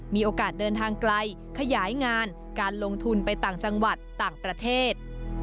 มีโอกาสเดินทางไกลขยายงานการลงทุนไปต่างจังหวัดต่างประเทศ